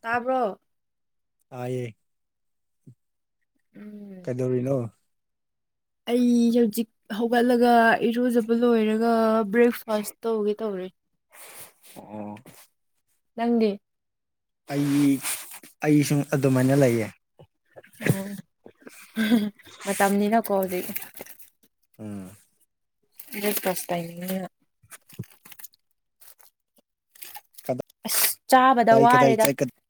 ꯇꯥꯕ꯭ꯔꯣ ꯇꯥꯌꯦ ꯎꯝ ꯗꯧꯔꯤꯅꯣ ꯑꯩ ꯍꯧꯖꯤꯛ ꯍꯧꯒꯠꯂꯒ ꯏꯔꯨꯖꯕ ꯂꯣꯏꯔꯒ ꯕ꯭ꯔꯦꯛꯐꯥꯁ ꯇꯧꯒꯦ ꯇꯧꯔꯤ ꯑꯣ ꯅꯪꯗꯤ ꯑꯩ ꯑꯩꯁꯨꯡ ꯑꯗꯨꯃꯥꯏꯅ ꯂꯩꯌꯦ ꯑꯣ ꯃꯇꯝꯅꯤꯅꯀꯣ ꯍꯧꯖꯤꯛ ꯎꯝ ꯏꯔꯩ ꯀꯁ ꯇꯥꯏꯃꯤꯡꯅ [inaudible] ꯀꯗꯥꯏ ꯑꯁ ꯆꯥꯕꯗ ꯀꯗꯥꯏ ꯋꯥꯔꯦꯗ ꯆꯠꯀꯗ꯭ꯔꯣ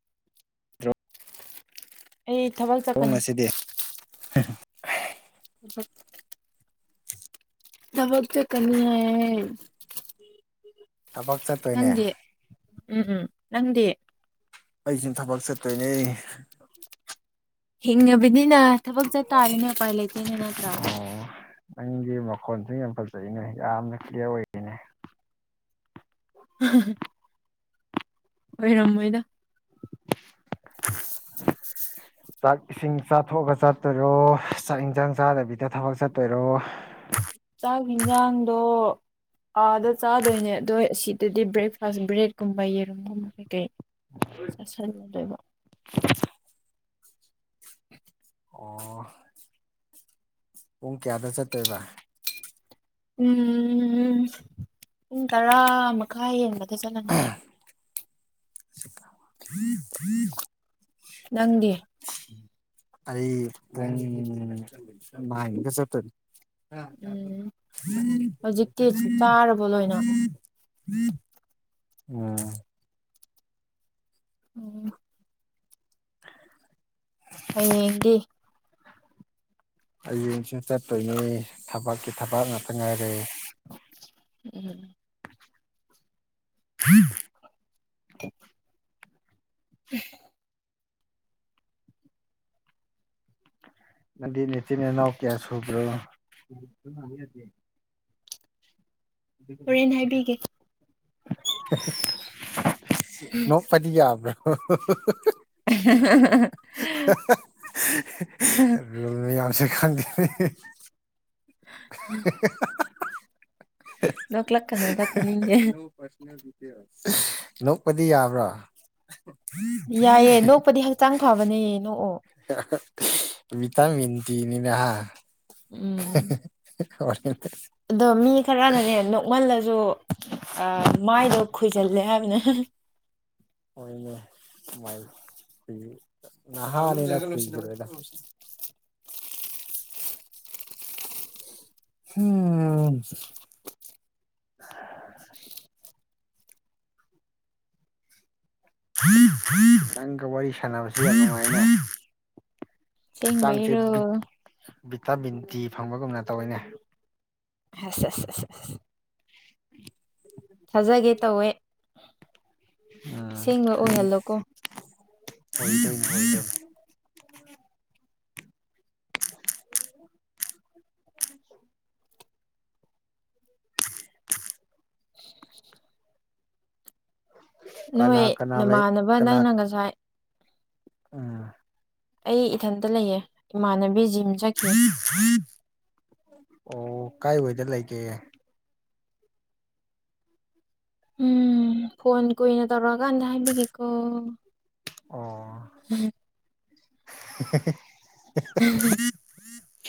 ꯑꯩ ꯊꯕꯛ ꯆꯠꯀꯅꯤ ꯉꯁꯤꯗꯤ ꯎꯝ ꯊꯕꯛ ꯆꯠꯀꯅꯤ ꯍꯥꯏꯌꯦ ꯊꯕꯛ ꯆꯠ_ ꯅꯪꯗꯤ ꯎꯝ ꯎꯝ ꯅꯪꯗꯤ ꯑꯩꯖꯨꯝ ꯊꯕꯛ ꯆꯠꯇꯣꯏꯅꯦ ꯍꯤꯡꯅꯕꯅꯤꯅ ꯊꯕꯛ ꯆꯠ ꯇꯥꯔꯦꯅꯦ ꯎꯄꯥꯏ ꯂꯩꯇꯦꯅꯦ ꯅꯠꯇ꯭ꯔꯥ ꯑꯣ ꯅꯪꯒꯤ ꯃꯈꯣꯟꯁꯦ ꯌꯥꯝ ꯐꯖꯩꯅꯦ ꯌꯥꯝꯅ ꯀ꯭ꯂꯤꯌꯥꯔ ꯑꯣꯏ [unintelligible] ꯑꯣꯏꯔꯝꯃꯣꯏꯗ ꯆꯥꯛ ꯏꯁꯤꯡ ꯆꯥꯊꯣꯛꯑꯥꯒ ꯆꯠꯇꯣꯏꯔꯣ ꯆꯥꯛ ꯏꯟꯖꯥꯡ ꯆꯥꯗꯕꯤꯗ ꯊꯕꯛ ꯆꯠꯇꯣꯏꯔꯣ ꯆꯥꯛ ꯌꯦꯟꯖꯥꯡꯗꯣ ꯑꯥꯗ ꯆꯥꯗꯣꯏꯅꯦ ꯑꯗꯣ ꯁꯤꯗꯗꯤ ꯕ꯭ꯔꯦꯛꯐꯥꯁ ꯕ꯭ꯔꯦꯗꯀꯨꯝꯕ ꯌꯦꯔꯨꯝꯒꯨꯝꯕ ꯀꯩ ꯀꯩ ꯆꯥꯁꯜꯂꯗꯣꯏꯕ [unintelligible] ꯑꯣ ꯄꯨꯡ ꯀꯌꯥꯗ ꯆꯠꯇꯣꯏꯕ ꯎꯝ ꯄꯨꯡ ꯇꯔꯥ ꯃꯈꯥꯏ ꯍꯦꯟꯕꯗ ꯆꯠꯂꯅꯤ [unintelligible] ꯅꯪꯗꯤ ꯑꯩ ꯄꯨꯡ ꯅꯥꯏꯟꯗ ꯆꯠꯇꯣꯏꯅꯤ ꯎꯝ ꯍꯧꯖꯤꯛꯇꯤ ꯆꯥꯔꯕꯣ [unintelligible] ꯂꯣꯏꯅ ꯑꯥ ꯎꯝ [unintelligible] ꯍꯌꯦꯡꯗꯤ ꯍꯌꯦꯡꯁꯦ ꯆꯠꯇꯣꯏꯅꯦ ꯊꯕꯛꯀꯤ ꯊꯕꯛ ꯉꯥꯛꯇ ꯉꯥꯏꯔꯦ ꯎꯝ ꯎꯝ [unintelligible] [unintelligible] ꯍꯨꯝ ꯅꯪꯗꯤ ꯅꯆꯤꯟ ꯅꯅꯥꯎ ꯀꯌꯥ ꯁꯨꯕ꯭ꯔꯣ ꯍꯣꯔꯦꯟ ꯍꯥꯏꯕꯤꯒꯦ [unintelligible] ꯅꯣꯛ ꯄꯗꯤ ꯌꯥꯕꯔꯣ [unintelligible] [unintelligible] ꯈꯪꯗꯦꯅꯦ [unintelligible] ꯅꯣꯛꯂꯛꯀꯅꯨꯗ ꯇꯥꯅꯤꯡꯗꯦ ꯅꯣ ꯄꯔꯁꯣꯅꯦꯜ ꯗꯤꯇꯦꯜꯁ ꯅꯣꯛꯄꯗꯤ ꯌꯥꯕ꯭ꯔꯥ ꯌꯥꯏꯌꯦ ꯅꯣꯛꯄꯗꯤ ꯍꯛꯆꯥꯡ ꯐꯕꯅꯦ ꯅꯣꯛꯑꯣ ꯚꯤꯇꯥꯃꯤꯟ ꯗꯤꯅꯤꯅ ꯍꯥ ꯎꯝ ꯍꯣꯔꯦꯟꯗꯤ ꯑꯗꯣ ꯃꯤ ꯈꯔꯅꯅꯦ ꯅꯣꯛꯃꯜꯂꯁꯨ ꯑꯥ ꯃꯥꯏꯗꯣ ꯈꯨꯏꯖꯜꯂꯦ ꯍꯥꯏꯕꯅꯦ ꯍꯣꯏꯅꯦ ꯃꯥꯏ ꯈꯨꯏ ꯅꯍꯥꯅꯤꯅ ꯈꯨꯏꯒꯤꯔꯣꯏꯗ ꯍꯨꯝ [unintelligible] ꯅꯪꯒ ꯋꯥꯔꯤ ꯁꯥꯟꯅꯕꯁꯦ ꯌꯥꯝ ꯅꯨꯡꯉꯥꯏꯅꯦ ꯍꯛꯆꯥꯡꯁꯦ ꯑꯁꯦꯡꯕꯩꯔꯣ ꯚꯤꯠ ꯚꯤꯇꯥꯃꯤꯟ ꯗꯤ ꯐꯪꯕꯒꯨꯝꯅ ꯇꯧꯋꯤꯅꯦ ꯍꯩꯁ ꯑꯁ‌ ꯑꯁ‌ ꯑꯁ [inaudible] ꯊꯥꯖꯒꯦ ꯇꯧꯋꯦ ꯑꯁꯦꯡꯕ ꯑꯣꯏꯍꯜꯂꯣꯀꯣ ꯑꯣꯏꯗꯣꯏꯅꯤ ꯑꯣꯏꯗꯣꯏꯅꯤ [inaudible] [inaudible] ꯀꯅꯥ ꯅꯣꯏ ꯀꯅꯥ ꯂꯩ ꯅꯃꯥꯟꯅꯕ ꯀꯅꯥ ꯅꯪꯅ ꯉꯁꯥꯏ ꯎꯝ ꯑꯩ ꯏꯊꯟꯇ ꯂꯩꯌꯦ ꯏꯃꯥꯟꯅꯕꯤ ꯖꯤꯝꯁ ꯑꯣ ꯀꯥꯏ ꯋꯥꯗ ꯂꯩꯒꯦ ꯎꯝ ꯐꯣꯟ ꯀꯨꯏꯅ ꯇꯧꯔꯛꯑꯀꯥꯟꯗ ꯍꯥꯏꯕꯤꯒꯦꯀꯣ ꯑꯣ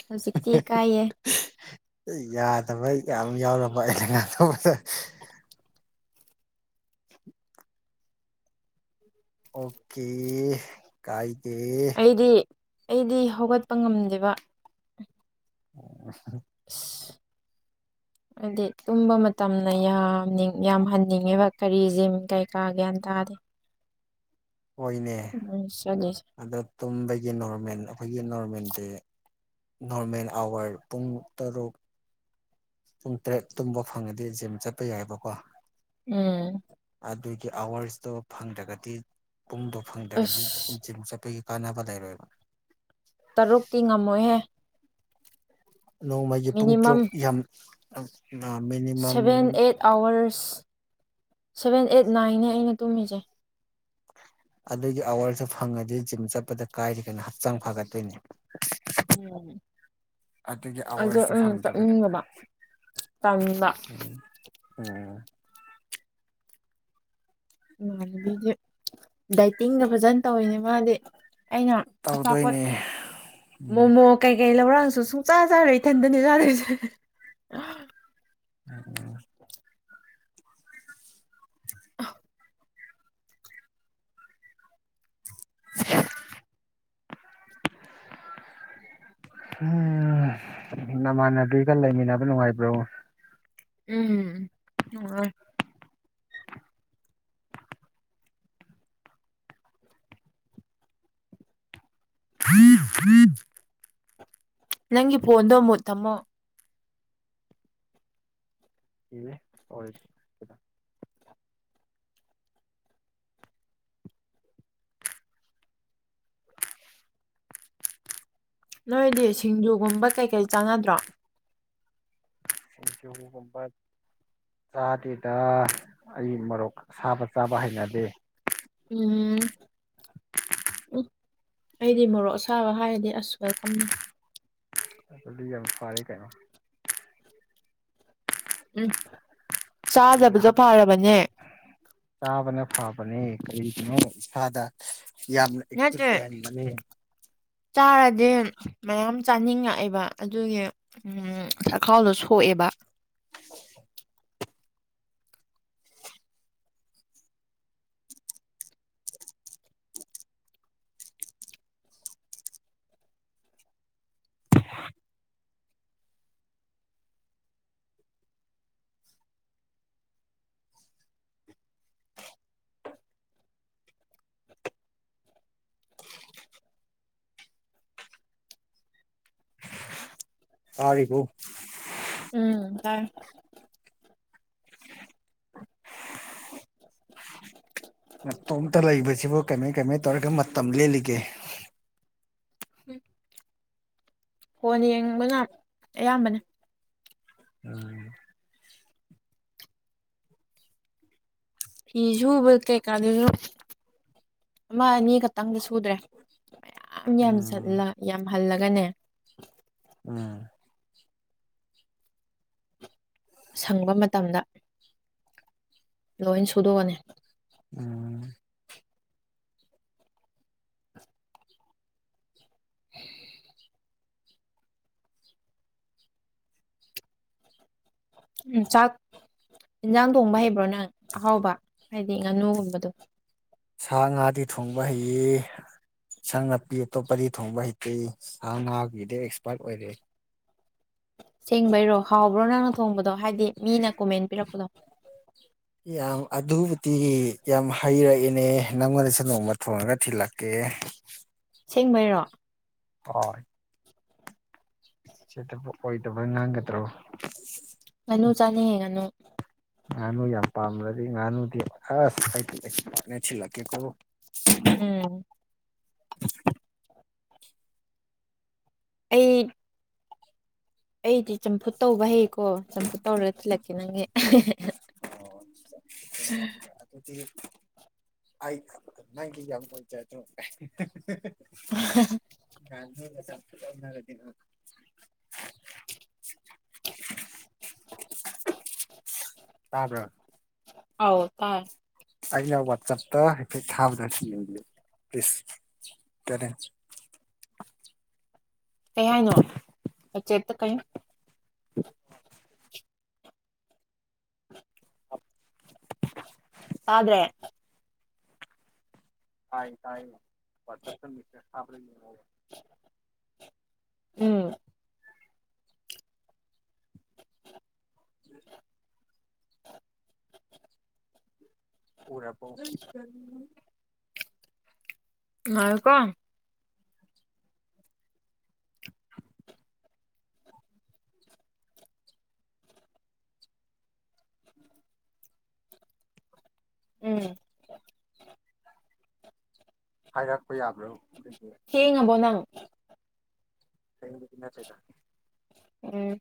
ꯍꯧꯖꯤꯛꯇꯤ ꯏꯀꯥꯏꯌꯦ [inaudible] ꯌꯥꯗꯕꯩ ꯌꯥꯝ ꯌꯥꯎꯔꯕ ꯑꯩꯅ ꯉꯥꯡ ꯇꯧꯕꯗ ꯑꯣꯀꯦ ꯀꯥꯏꯗꯦ ꯑꯩꯗꯤ ꯑꯩꯗꯤ ꯍꯧꯒꯠꯄ ꯉꯝꯗꯦꯕ ꯑꯣ ꯑꯁ ꯍꯥꯏꯗꯤ ꯇꯨꯝꯕ ꯃꯇꯝꯅ ꯌꯥꯝꯅꯤꯡ ꯌꯥꯝꯍꯟꯅꯤꯡꯉꯦꯕ ꯀꯔꯤ ꯖꯤꯝ ꯀꯩ ꯀꯥ ꯒ꯭ꯌꯥꯟ ꯇꯥꯗꯦ ꯑꯣꯏꯅꯦ ꯃꯣꯏ ꯆꯠꯂꯤꯁꯦ ꯑꯗꯣ ꯇꯨꯝꯕꯒꯤ ꯅꯣꯔꯃꯦꯜ ꯑꯩꯈꯣꯏꯒꯤ ꯅꯣꯔꯃꯦꯜꯗꯤ ꯅꯣꯔꯃꯦꯜ ꯑꯥꯋꯥꯔ ꯄꯨꯡ ꯇꯔꯨꯛ ꯄꯨꯡ ꯇꯔꯦꯠ ꯇꯨꯝꯕ ꯐꯪꯉꯗꯤ ꯖꯤꯝ ꯆꯠꯄ ꯌꯥꯏꯑꯕꯀꯣ ꯎꯝ ꯑꯗꯨꯒꯤ ꯑꯋꯥꯔꯁꯇꯣ ꯐꯪꯗ꯭ꯔꯒꯗꯤ ꯄꯨꯡꯗꯣ ꯐꯪꯗ꯭ꯔꯒꯗꯤ ꯑꯁ ꯖꯤꯝ ꯆꯠꯄꯒꯤ ꯀꯥꯟꯅꯕ ꯂꯩꯔꯣꯏꯕ ꯇꯔꯨꯛꯇꯤ ꯉꯝꯃꯣꯏꯍꯦ ꯅꯣꯡꯃꯒꯤ ꯄꯨꯡ ꯃꯤꯅꯤꯃꯝ ꯇꯔꯨꯛ ꯌꯥꯝ ꯃꯤꯅꯤꯃꯝ ꯑꯋꯔꯁ ꯁꯚꯦꯟ ꯑꯩꯠ ꯅꯥꯏꯟꯅ ꯑꯩꯅ ꯇꯨꯝꯃꯤꯁꯦ ꯑꯗꯨꯒꯤ ꯑꯋꯥꯔꯁꯨ ꯐꯪꯉꯗꯤ ꯖꯤꯝ ꯆꯠꯄꯗ ꯀꯥꯏꯔꯤ ꯀꯩꯅꯣ ꯍꯛꯆꯥꯡ ꯐꯒꯠꯇꯣꯏꯅꯦ ꯎꯝ ꯑꯗꯨꯒꯤ ꯑꯗꯣ ꯑꯋꯥꯔꯁꯇꯣ ꯎꯝ ꯐꯪꯗꯕꯤꯗ ꯆꯠꯅꯤꯡꯗꯕ ꯇꯟꯕꯥ ꯎꯝ ꯎꯝ ꯏꯃꯥꯟꯅꯕꯤꯗꯤ ꯗꯥꯏꯇꯤꯡꯗꯣ ꯐꯖꯅ ꯇꯧꯋꯤꯅꯦ ꯃꯥꯗꯤ ꯑꯩꯅ ꯑꯆꯥꯄꯣꯠ ꯇꯧꯗꯣꯏꯅꯦ ꯎꯝ ꯃꯣꯃꯣ ꯀꯩꯀꯩ ꯂꯧꯔꯥꯡꯁꯨ ꯁꯨꯡꯆꯥ ꯆꯥꯔꯣꯏ ꯏꯊꯟꯗꯅꯤ ꯆꯥꯗꯣꯏꯁꯦ ꯎꯝ [unintelligible] ꯍꯨꯝ ꯅꯃꯥꯟꯅꯕꯤꯒ ꯂꯩꯃꯤꯟꯅꯕ ꯅꯨꯡꯉꯥꯏꯕ꯭ꯔꯣ ꯎꯝ ꯅꯨꯡꯉꯥꯏ [unintelligible] ꯅꯪꯒꯤ ꯐꯣꯟꯗꯣ ꯃꯨꯠ ꯊꯝꯃꯣ ꯍꯣꯏ ꯅꯣꯏꯗꯤ ꯁꯤꯡꯖꯨꯒꯨꯝꯕ ꯀꯩꯀꯩ ꯆꯥꯟꯅꯗ꯭ꯔꯣ ꯁꯤꯡꯖꯒꯨꯝꯕ ꯆꯥꯗꯦꯗ ꯑꯩ ꯃꯔꯣꯛ ꯑꯁꯥꯕ ꯆꯥꯕ ꯍꯩꯅꯗꯦ ꯎꯝ ꯎꯝ ꯑꯩꯗꯤ ꯃꯣꯔꯣꯛ ꯑꯁꯥꯕ ꯍꯥꯏꯔꯗꯤ ꯑꯁ ꯋꯦꯜꯀꯝꯅꯤ ꯑꯗꯨꯗꯤ ꯌꯥꯝ ꯐꯔꯦ ꯀꯩꯅꯣ ꯎꯝ ꯑꯗꯨꯒꯤ ꯆꯥꯗꯕꯁꯨ ꯐꯔꯕꯅꯦ ꯆꯥꯕꯅ ꯐꯕꯅꯦ ꯀꯔꯤꯒꯤꯅꯣ ꯏꯁꯥꯗ ꯌꯥꯝꯅ ꯑꯦꯛꯇꯤꯚ ꯅꯠꯇ꯭ꯔꯦ ꯑꯣꯏꯍꯟꯕꯅꯦ ꯆꯥꯔꯗꯤ ꯃꯌꯥꯝ ꯆꯥꯅꯤꯡꯉꯛꯑꯦꯕ ꯑꯗꯨꯒꯤ ꯎꯝ ꯆꯥꯛꯈꯥꯎꯗꯣ ꯁꯣꯛꯑꯦꯕ [unintelligible] ꯇꯥꯔꯤꯕꯣ ꯎꯝ ꯇꯥꯏ ꯃꯠꯇꯣꯝꯇ ꯂꯩꯕꯁꯤꯕꯨ ꯀꯃꯥꯏ -ꯀꯃꯥꯏ ꯇꯧꯔꯒ ꯃꯇꯝ ꯂꯦꯜꯂꯤꯒꯦ ꯐꯣꯟ ꯌꯦꯡꯕ ꯉꯥꯛ ꯑꯌꯥꯝꯕꯅꯦ ꯎꯝ ꯐꯤ ꯁꯨꯕ ꯀꯩꯀꯥꯗꯨꯁꯨ ꯑꯃ ꯑꯅꯤ ꯈꯛꯇꯪꯗ ꯁꯨꯗ꯭ꯔꯦ ꯃꯌꯥꯝ ꯌꯥꯝ ꯎꯝ ꯆꯠꯂ ꯌꯥꯝꯍꯜꯂꯒꯅꯦ ꯎꯝ ꯁꯪꯕ ꯃꯇꯝꯗ ꯂꯣꯏ ꯁꯨꯗꯣꯛꯑꯅꯤ ꯎꯝ ꯎ [unintelligible] ꯎꯝ ꯆꯥꯛ ꯌꯦꯟꯖꯥꯡ ꯊꯣꯡꯕ ꯍꯩꯕ꯭ꯔꯣ ꯅꯪ ꯑꯍꯥꯎꯕ ꯍꯥꯏꯗꯤ ꯉꯥꯅꯨꯒꯨꯝꯕꯗꯣ ꯁꯥ ꯉꯥꯗꯤ ꯊꯣꯡꯕ ꯍꯩꯌꯦ ꯁꯥꯡ ꯅꯥꯄꯤ ꯑꯇꯣꯞꯄꯗꯤ ꯊꯣꯡꯕ ꯍꯩꯇ ꯁꯥ ꯉꯥꯒꯤꯗꯤ ꯑꯦꯛꯁꯄꯥꯔꯠ ꯑꯣꯏꯔꯦ ꯁꯦꯡꯕꯩꯔꯣ ꯍꯥꯎꯕ꯭ꯔꯣ ꯅꯪꯅ ꯊꯣꯡꯕꯗꯣ ꯍꯥꯏꯗꯤ ꯃꯤꯅ ꯀꯣꯃꯦꯟ ꯄꯤꯔꯛꯄꯗꯣ ꯌꯥꯝ ꯑꯗꯨꯕꯨꯗꯤ ꯌꯥꯝ ꯍꯩꯔꯛꯏꯅꯦ ꯅꯪꯉꯣꯟꯗꯁꯨ ꯅꯣꯡꯃ ꯊꯣꯡꯉꯒ ꯊꯤꯜꯂꯛꯀꯦ ꯁꯦꯡꯕꯩꯔꯣ ꯍꯣꯏ ꯁꯤꯗꯕꯨ ꯑꯣꯏꯗꯕ ꯉꯥꯡꯒꯗ꯭ꯔꯣ ꯉꯥꯅꯨ ꯆꯥꯅꯤꯡꯉꯦ ꯉꯅꯨ ꯉꯥꯅꯨ ꯌꯥꯝ ꯄꯥꯝꯔꯗꯤ ꯉꯥꯅꯨꯗꯤ ꯑꯁ ꯑꯩꯗꯤ [unintelligible] ꯊꯤꯜꯂꯛꯀꯦꯀꯣ ꯎꯝ ꯑꯩ ꯑꯩꯗꯤ ꯆꯝꯐꯨꯠ ꯇꯧꯕ ꯍꯩꯀꯣ ꯆꯝꯐꯨꯠ ꯇꯧꯔꯒ ꯊꯤꯜꯂꯛꯀꯦ ꯅꯪꯒꯤ ꯑꯣ [unintelligible] ꯑꯗꯨꯗꯤ ꯑꯩ ꯅꯪꯒꯤ ꯌꯥꯝ ꯑꯣꯏꯖꯗ꯭ꯔꯣ [unintelligible] ꯅꯥꯍꯥꯟꯥ ꯅꯣꯏꯒ ꯆꯝꯐꯨꯠ [unintelligible] ꯑꯣꯟꯅꯔꯗꯤ ꯇꯥꯕ꯭ꯔꯥ ꯑꯧ ꯇꯥꯏ ꯑꯩꯅ ꯋꯥꯆꯞꯇ ꯍꯥꯏꯐꯦꯠ ꯊꯥꯕꯗꯣ ꯌꯦꯕꯤꯌꯣ ꯄꯂꯤꯁ ꯇꯦꯅꯦ ꯀꯩ ꯍꯥꯏꯅꯣ ꯋꯆꯦꯠꯇ ꯀꯩ ꯍ [unintelligible] ꯇꯥꯗ꯭ꯔꯦ ꯇꯥꯏ ꯇꯥꯏꯌꯦ ꯋꯥꯠꯁꯞꯇ ꯃꯦꯁꯦꯖ ꯊꯥꯕꯗꯣ ꯌꯦꯡꯉꯣꯕ [unintelligible] ꯎꯝ [inaudible] ꯎꯔꯕꯣ ꯉꯥꯏꯌꯣꯀꯣ ꯎꯝ ꯍꯥꯏꯔꯛꯄ ꯌꯥꯕ꯭ꯔꯣ ꯊꯦꯡꯉꯕꯣ ꯅꯪ ꯊꯦꯡꯕꯗꯤ ꯅꯠꯇꯦꯗ ꯎꯝ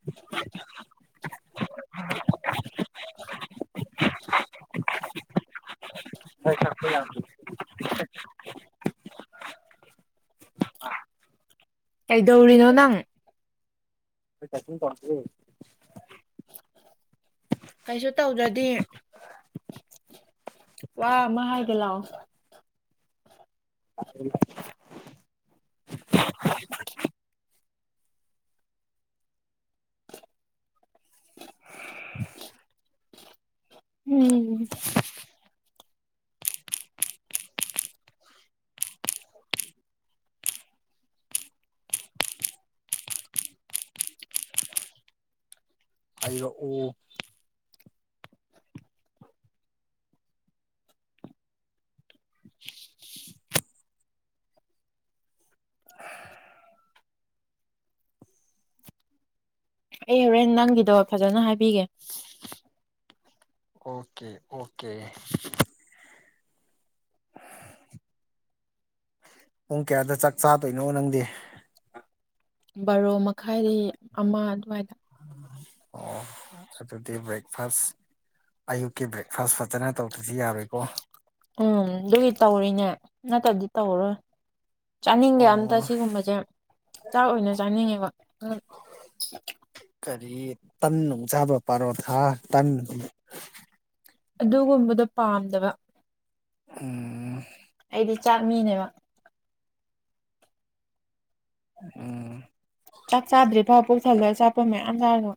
[unintelligible] [unintelligible] [unintelligible] ꯀꯩꯗꯧꯔꯤꯅꯣ ꯅꯪ ꯑꯩ ꯇꯥꯏꯄꯤꯡ ꯇꯧꯔꯤꯌꯦ ꯀꯩꯁꯨ ꯇꯧꯗ꯭ꯔꯗꯤ ꯋꯥ ꯑꯃ ꯍꯥꯏꯒꯦ ꯂꯥꯎ [unintelligible] [unintelligible] ꯎꯝ ꯍꯥꯏꯔꯛꯑꯣ ꯑꯩ ꯍꯣꯔꯦꯟ ꯅꯪꯒꯤꯗꯣ ꯐꯖꯅ ꯍꯥꯏꯕꯤꯒꯦ ꯑꯣꯀꯦ ꯑꯣꯀꯦ ꯄꯨꯡ ꯀꯌꯥꯗ ꯆꯥꯛ ꯆꯥꯗꯣꯏꯅꯣ ꯅꯪꯗꯤ ꯕꯥꯔꯣ ꯃꯈꯥꯏꯗꯩ ꯑꯃ ꯑꯗꯨꯋꯥꯏꯗ ꯑꯣ ꯑꯗꯨꯗꯤ ꯕ꯭ꯔꯦꯛꯐꯥꯁ ꯑꯌꯨꯛꯀꯤ ꯕ꯭ꯔꯦꯛꯐꯥꯁ ꯐꯖꯅ ꯇꯧꯗ꯭ꯔꯗꯤ ꯌꯥꯔꯣꯏꯀꯣ ꯎꯝ ꯑꯗꯨꯒꯤ ꯇꯧꯔꯤꯅꯦ ꯅꯠꯇ꯭ꯔꯗꯤ ꯇꯧꯔꯔꯣꯏ ꯆꯥꯅꯤꯡꯗꯦ ꯑꯝꯇ ꯑꯣ ꯁꯤꯒꯨꯝꯕꯁꯦ ꯆꯥꯛ ꯑꯣꯏꯅ ꯆꯥꯅꯤꯡꯉꯦꯕ [unintelligible] ꯀꯔꯤ ꯇꯟ ꯅꯨꯡ ꯆꯥꯗ꯭ꯔꯣ ꯄꯥꯔꯣꯊꯥ ꯇꯟ ꯑꯗꯨꯒꯨꯝꯕꯗꯣ ꯄꯥꯝꯗꯕ ꯎꯝ ꯑꯩꯗꯤ ꯆꯥꯛ ꯃꯤꯅꯦꯕ ꯎꯝ ꯆꯥꯛ ꯆꯥꯗ꯭ꯔꯤꯗ ꯄꯨꯛ ꯊꯜꯂꯦ ꯑꯆꯥꯄꯣꯠ ꯃꯌꯥꯝ ꯆꯥꯔꯨꯕ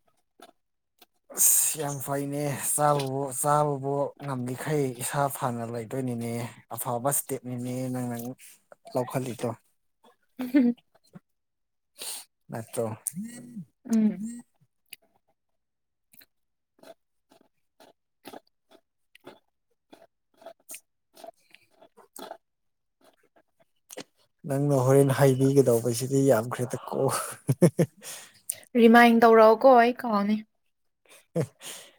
ꯑꯁ ꯌꯥꯝ ꯐꯩꯅꯦ ꯆꯥꯕꯕꯨ ꯆꯥꯕꯕꯨ ꯉꯝꯂꯤꯈꯩ ꯏꯁꯥ ꯐꯅ ꯂꯩꯗꯣꯏꯅꯤꯅꯦ ꯑꯐꯕ ꯏꯁꯇꯦꯞꯅꯤꯅꯦ ꯅꯪꯅ ꯂꯧꯈꯠꯂꯤꯗꯣ [unintelligible] ꯅꯠꯇ꯭ꯔꯣ ꯎꯝ [unintelligible] ꯅꯪꯅ ꯍꯣꯔꯦꯟ ꯍꯥꯏꯕꯤꯒꯗꯧꯕꯁꯤꯗꯤ ꯌꯥꯝꯈ꯭ꯔꯦꯗ ꯀꯣ ꯔꯤꯃꯥꯏꯟ ꯇꯧꯔꯛꯑꯣꯀꯣ ꯑꯩ ꯀꯥꯎꯅꯤ [unintelligible]